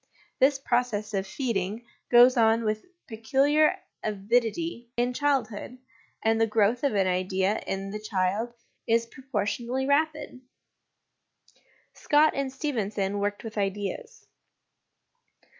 This process Q{ feeding goes on with peculiar avidity in childhood, and the growth of an idea in the child is proportionally rapid. Scott and Stephenson worked with Ideas.